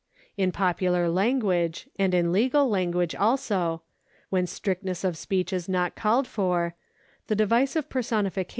In popular language, and in legal language also, when strict ness of speech is not called for, the device of personification is 1 D.